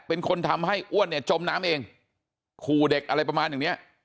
เป็นคนทำให้อ้วนเนี่ยจมน้ำเองขู่เด็กอะไรประมาณอย่างเนี้ย